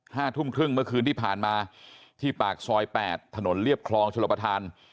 ห้าทุ่มครึ่งเมื่อคืนที่ผ่านมาที่ปากซอยแปดถนนเรียบคลองชลประธาน